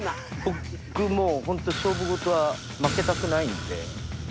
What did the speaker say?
僕もうホント勝負ごとは負けたくないんで。